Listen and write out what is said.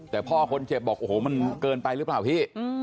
แต่พ่อคนเจ็บบอกโอ้โหมันเกินไปหรือเปล่าพี่